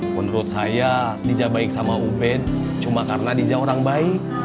menurut saya diza baik sama ubed cuma karena diza orang baik